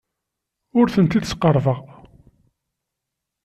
Ur tent-id-sseqrabeɣ.